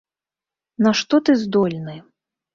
На што ты здольны?